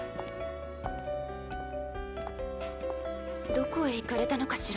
どこへ行かれたのかしら。！